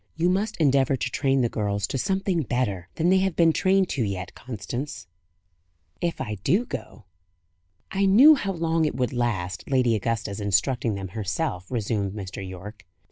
You must endeavour to train the girls to something better than they have been trained to yet, Constance." "If I do go." "I knew how long it would last, Lady Augusta's instructing them herself," resumed Mr. Yorke.